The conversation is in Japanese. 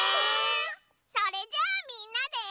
それじゃあみんなで。